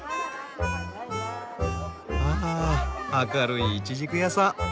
あ明るいイチジク屋さん！